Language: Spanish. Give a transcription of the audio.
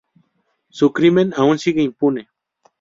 Su crimen aún sigue impune.